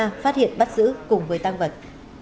các đối tượng đã bị bắt giữ cùng với tăng vật